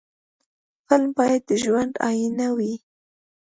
فلم باید د ژوند آیینه وي